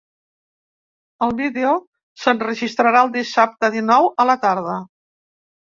El vídeo, s’enregistrarà el dissabte, dinou, a la tarda.